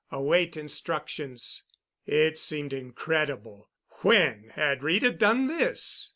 Await instructions." It seemed incredible. When had Rita done this?